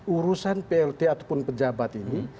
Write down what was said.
urusan plt ataupun pejabat ini